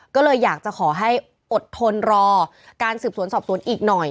ก็เลยอยากจะขอให้อดทนรอการสืบสวนสอบสวนอีกหน่อย